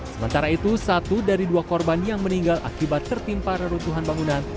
sementara itu satu dari dua korban yang meninggal akibat tertimpa reruntuhan bangunan